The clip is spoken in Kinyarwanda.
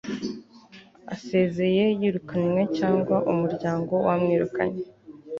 asezeye yirukanywe cyangwa umuryango wamwirukanye